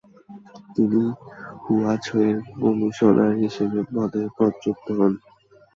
তিনি হুয়াঝৌয়ের কমিশনার হিসাবে পদে পদচ্যুত হন।